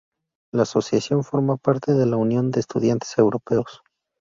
La asociación forma parte de la Unión de Estudiantes Europeos.